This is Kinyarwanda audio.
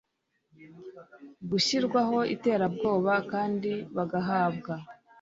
gushyirwaho iterabwoba kandi bagahabwa